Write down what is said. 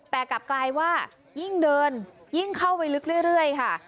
แต่กลับกลายว่ายิ่งเดินยิ่งเข้าไปลึกเรื่อยค่ะ